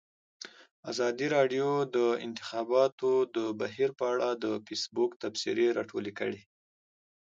ازادي راډیو د د انتخاباتو بهیر په اړه د فیسبوک تبصرې راټولې کړي.